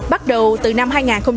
bắt đầu từ năm hai nghìn một mươi bốn